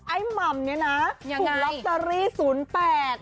ไอ้หม่ำนี่นะถูกรับตรีศูนย์แปด